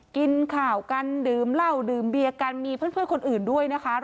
กินข่าวกันดื่มเหล้าดื่มเบียกันมีเพื่อนคนอื่นด้วยนะคะ